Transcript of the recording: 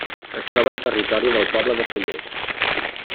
Es troba en territori del poble de Cellers.